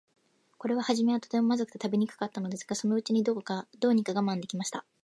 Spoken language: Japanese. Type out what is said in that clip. これははじめは、とても、まずくて食べにくかったのですが、そのうちに、どうにか我慢できました。